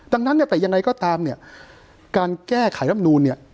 ดังนั้นเนี่ยแต่ยังไงก็ตามเนี่ยการแก้ไขรำนูนเนี่ย